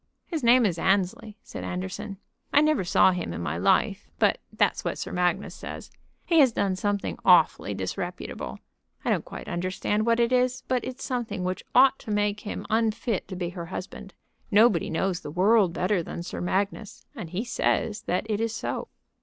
"His name is Annesley," said Anderson. "I never saw him in my life, but that's what Sir Magnus says. He has done something awfully disreputable. I don't quite understand what it is, but it's something which ought to make him unfit to be her husband. Nobody knows the world better than Sir Magnus, and he says that it is so."